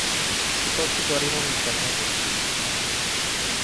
Cu toții dorim un internet deschis.